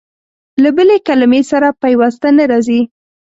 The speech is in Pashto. له بلې کلمې سره پيوسته نه راځي.